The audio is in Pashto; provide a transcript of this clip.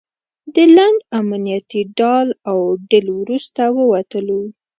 له لنډ امنیتي ډال او ډیل وروسته ووتلو.